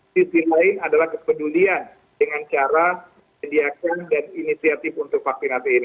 sisi lain adalah kepedulian dengan cara menyediakan dan inisiatif untuk vaksinasi ini